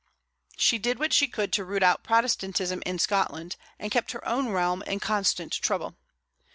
She did what she could to root out Protestantism in Scotland, and kept her own realm in constant trouble.